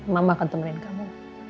mama akan temenin kamu